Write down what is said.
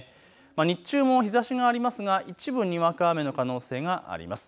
日中も日ざしがありますが一部にわか雨の可能性があります。